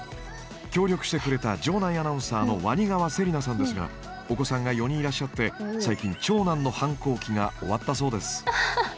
協力してくれた場内アナウンサーの鰐川せりなさんですがお子さんが４人いらっしゃって最近長男の反抗期が終わったそうです。